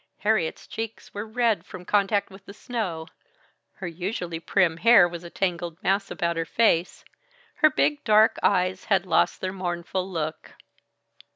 Harriet's cheeks were red from contact with the snow, her usually prim hair was a tangled mass about her face, her big dark eyes had lost their mournful look.